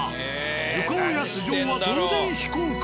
お顔や素性は当然非公開。